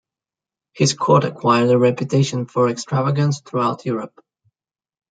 His court acquired a reputation for extravagance throughout Europe.